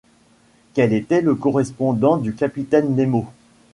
Quel était le correspondant du capitaine Nemo ?